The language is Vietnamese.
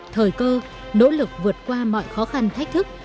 thời cơ nỗ lực vượt qua mọi khó khăn thách thức